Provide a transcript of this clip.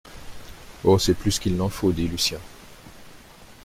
Oh, c’est plus qu’il n’en faut, dit Lucien